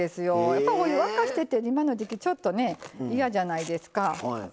やっぱりお湯沸かしてって今の時季ちょっと嫌じゃないですか。